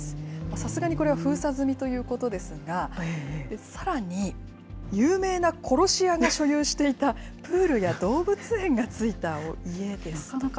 さすがにこれは封鎖済みということですが、さらに、有名な殺し屋が所有していたプールや動物園が付いた家ですとか。